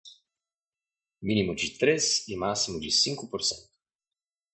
mínimo de três e máximo de cinco por cento